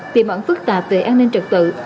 tìm ẩn phức tạp về an ninh trật tự